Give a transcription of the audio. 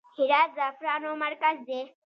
هرات د زعفرانو مرکز دی